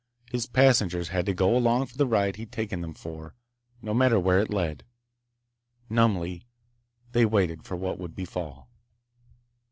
His passengers had to go along for the ride he'd taken them for, no matter where it led. Numbly, they waited for what would befall.